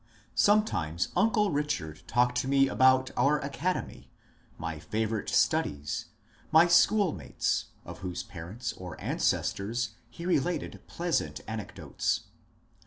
Sometimes uncle Bichard talked to me about our academy, my favourite studies, my schoolmates, of whose parents or ancestors he related pleasant anecdotes.